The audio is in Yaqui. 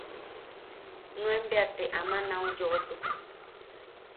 Nuen bea te ama nau yoʼotuk.